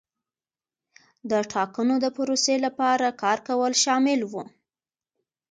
د ټاکنو د پروسې لپاره کار کول شامل وو.